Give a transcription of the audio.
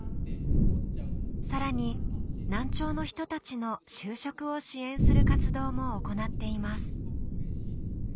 さらに難聴の人たちの就職を支援する活動も行っています